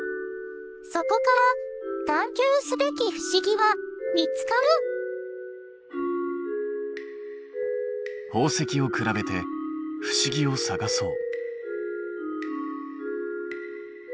そこから探究すべき不思議は見つかる宝石を比べて不思議を探そう。